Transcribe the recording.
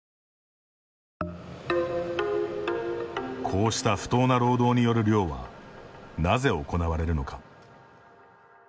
こうした不当な労働による漁はなぜ、行われるのか。